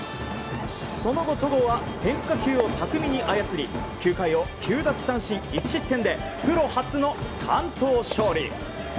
その後、戸郷は変化球を巧みに操り９回を９奪三振１失点でプロ初の完投勝利。